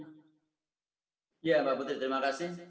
iya mbak putri terima kasih